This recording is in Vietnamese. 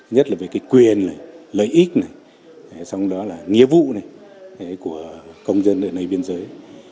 nhất là về cái quyền này lợi ích này trong đó là nghĩa vụ này của công dân ở nơi biên giới